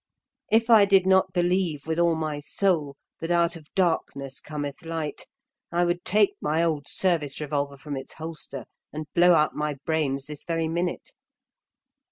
If I did not believe with all my soul that out of Darkness cometh Light, I would take my old service revolver from its holster and blow out my brains this very minute.